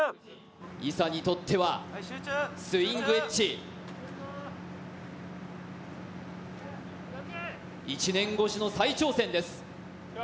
伊佐にとってはスイングエッジ、１年越しの再挑戦です。